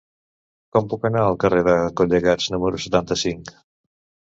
Com puc anar al carrer de Collegats número setanta-cinc?